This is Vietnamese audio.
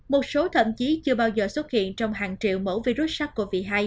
một số thậm chí chưa bao giờ xuất hiện trong hàng triệu mẫu virus sars cov hai